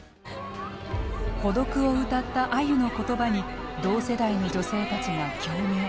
「孤独」を歌ったあゆの言葉に同世代の女性たちが共鳴。